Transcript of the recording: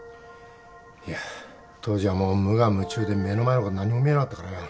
いや当時はもう無我夢中で目の前のこと何にも見えなかったからよ。